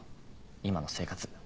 今の生活。